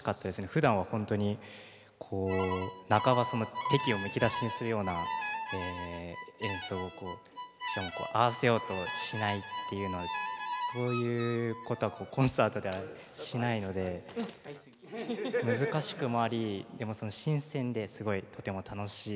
ふだんはほんとにこう半ばその敵意をむき出しにするような演奏をこうしかも合わせようとしないっていうのはそういうことはコンサートではしないので難しくもありでも新鮮ですごいとても楽しいシーンの収録でもありました。